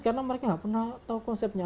karena mereka nggak tahu konsepnya